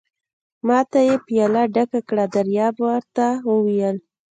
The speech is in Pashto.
ما ته یې پياله ډکه کړه، دریاب ور ته وویل.